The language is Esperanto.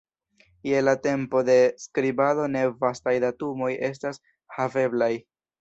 Je la tempo de skribado ne vastaj datumoj estas haveblaj.